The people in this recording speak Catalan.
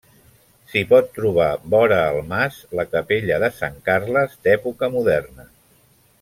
S'hi pot trobar, vora el mas, la capella de Sant Carles, d'època moderna.